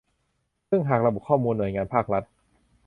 ซึ่งหากระบบข้อมูลหน่วยงานภาครัฐ